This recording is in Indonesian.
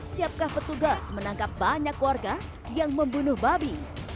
siapkah petugas menangkap banyak warga yang membunuh babi